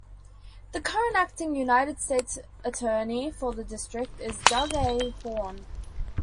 The current Acting United States Attorney for the district is Doug A. Horn.